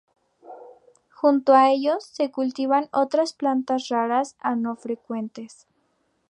Junto a ellos se cultivan otras plantas raras o no frecuentes.